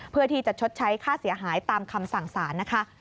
เพื่อที่จะชดใช้ค่าเสียหายตามคำสั่งสารนะคะ